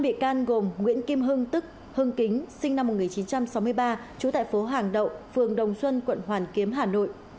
năm bị can gồm nguyễn kim hưng tức hưng kính sinh năm một nghìn chín trăm sáu mươi ba trú tại phố hàng đậu phường đồng xuân quận hoàn kiếm hà nội